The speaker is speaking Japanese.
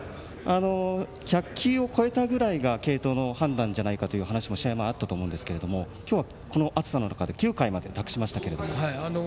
１００球を超えたぐらいが継投の判断じゃないかという話も試合前あったと思うんですが今日はこの暑さの中で９回まで託しましたけれども。